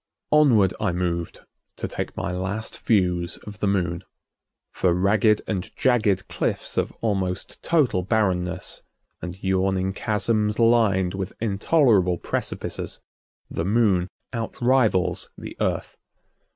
Onward I moved to take my last views of the Moon. For ragged and jagged cliffs of almost total barrenness, and yawning chasms lined with intolerable precipices, the Moon outrivals the Earth.